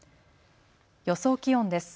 予想気温です。